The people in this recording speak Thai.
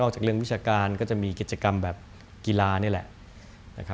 จากเรื่องวิชาการก็จะมีกิจกรรมแบบกีฬานี่แหละ